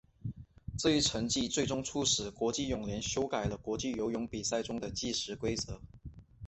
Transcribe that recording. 这一成绩最终促使国际泳联修改了国际游泳比赛中的计时规则。